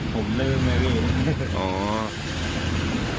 ผมลืมไม่รู้